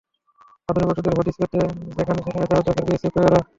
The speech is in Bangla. আধুনিক ওষুধের হদিশ পেতে যেখানে যেখানে যাওয়ার দরকার গিয়েছি, পোয়ারো।